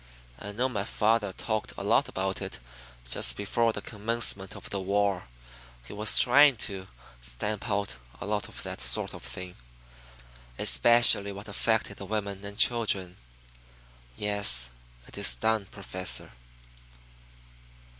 I know my father talked a lot about it just before the commencement of the war. He was going to try to stamp out a lot of that sort of thing, especially what affected the women and children. Yes, it is done, Professor."